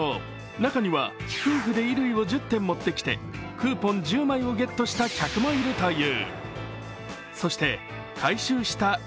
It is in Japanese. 中には夫婦で衣類を１０点持ってきてクーポン１０枚をゲットした客もいるという。